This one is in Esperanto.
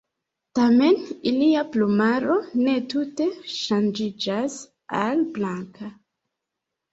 Tamen ilia plumaro ne tute ŝanĝiĝas al blanka.